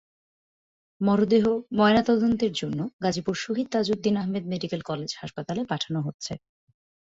মরদেহ ময়নাতদন্তের জন্য গাজীপুর শহীদ তাজউদ্দিন আহমেদ মেডিকেল কলেজ হাসপাতালে পাঠানো হচ্ছে।